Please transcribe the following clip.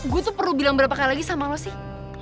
gue tuh perlu bilang berapa kali lagi sama lo sih